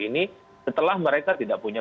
ini setelah mereka tidak punya